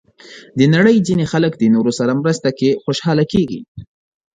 د نړۍ ځینې خلک د نورو سره مرسته کې خوشحاله کېږي.